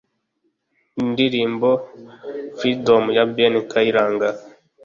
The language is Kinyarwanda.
Inddirimbo Freedom ya Ben Kayiranga